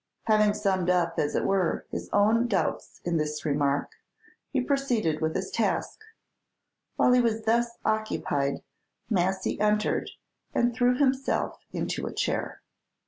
Having summed up, as it were, his own doubts in this remark, he proceeded with his task. While he was thus occupied, Massy entered, and threw himself into a chair.